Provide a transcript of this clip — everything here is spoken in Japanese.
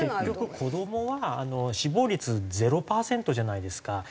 結局子どもは死亡率０パーセントじゃないですか。